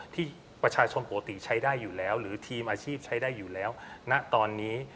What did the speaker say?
ที่ประชาชนปกติใช้ได้อยู่แล้วหรือทีมอาชีพใช้ได้อยู่แล้วณตอนนี้